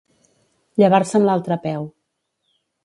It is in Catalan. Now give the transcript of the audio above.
Llevar-se amb l'altre peu.